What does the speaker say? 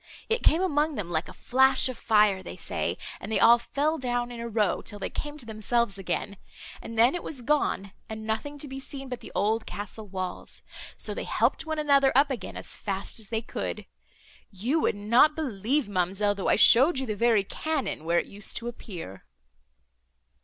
It came among them like a flash of fire, they say, and they all fell down in a row, till they came to themselves again; and then it was gone, and nothing to be seen but the old castle walls; so they helped one another up again as fast as they could. You would not believe, ma'amselle, though I showed you the very cannon, where it used to appear."